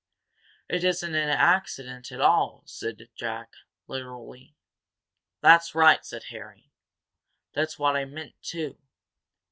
"It isn't an accident at all," said Jack, literally. "That's right," said Harry. "That's what I meant, too.